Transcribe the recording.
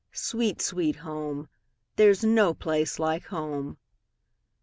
sweet, sweet home! There 's no place like home!